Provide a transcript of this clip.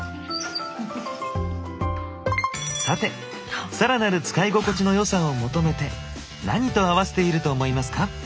さて更なる使い心地のよさを求めて何と合わせていると思いますか？